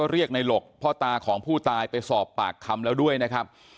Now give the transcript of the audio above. เรียกในหลกพ่อตาของผู้ตายไปสอบปากคำแล้วด้วยนะครับ